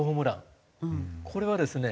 これはですね